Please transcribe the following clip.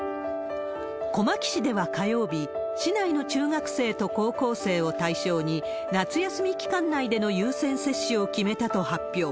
小牧市では火曜日、市内の中学生と高校生を対象に、夏休み期間内での優先接種を決めたと発表。